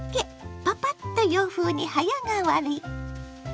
パパッと洋風に早変わり。